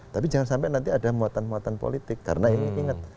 tapi jangan sampai nanti ada muatan muatan politik karena ini ingat